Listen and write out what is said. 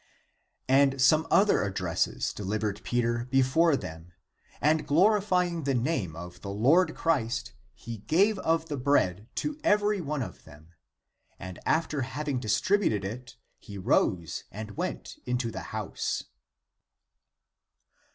And some other addresses delivered Peter before them, and glorifying the name of (p. 141) the Lord 56 THE APOCRYPHAL ACTS Christ he gave of the bread to every one of them; and after having distributed it, he rose and went into the house.